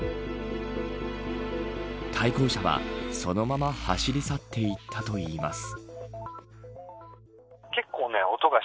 対向車は、そのまま走り去っていったといいます。